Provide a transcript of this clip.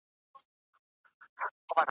قاتلان به گرځي سرې سترگي په ښار كي ,